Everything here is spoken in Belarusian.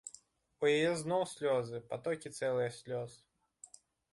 У яе зноў слёзы, патокі цэлыя слёз.